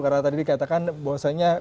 karena tadi dikatakan bahwasanya